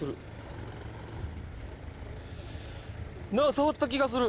触った気がする。